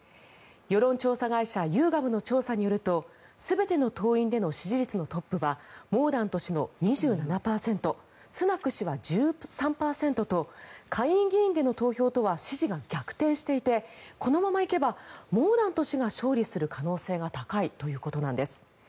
世論調査会社ユーガブの調査によると全ての党員での支持率のトップはモーダント氏の２７％スナク氏は１３％と下院議員での投票とは支持が逆転していてこのままいけばモーダント氏が勝利する可能性が高いということなんです。